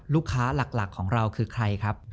ลูกค้าหลักของเราคือใครครับ